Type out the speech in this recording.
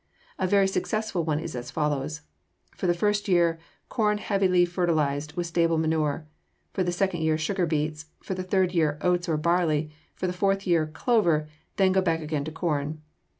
A very successful one is as follows: for the first year, corn heavily fertilized with stable manure; for the second year, sugar beets; for the third year, oats or barley; for the fourth year, clover; then go back again to corn.